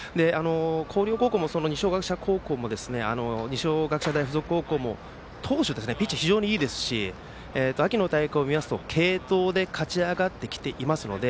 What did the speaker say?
広陵高校も二松学舎大付属高校もピッチャーが非常にいいですし秋の大会を見ると継投で勝ち上がってきているので